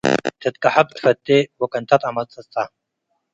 ትትቀሐብ ትፈቴ ወቅንተ ተአመጽጸ።